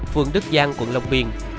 vườn đức giang quận long biên